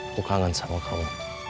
aku kangen sama kamu